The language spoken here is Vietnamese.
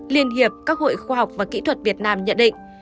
liên hiệp các hội khoa học và kỹ thuật việt nam nhận định